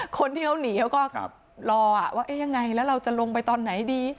คนที่เขาหนีเขาก็รอว่ายังไงแล้วเราจะลงไปตอนไหนดี